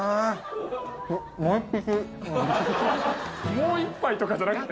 もう１杯とかじゃなくて？